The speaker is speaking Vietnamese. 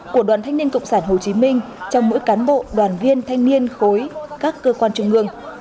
của đoàn thanh niên cộng sản hồ chí minh trong mỗi cán bộ đoàn viên thanh niên khối các cơ quan trung ương